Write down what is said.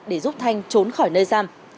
để giúp thanh trốn khỏi nơi giam